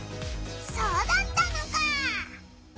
そうだったのか！